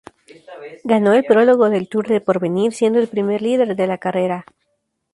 Ganó el prólogo del Tour del Porvenir, siendo el primer líder de la carrera.